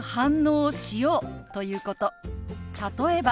例えば。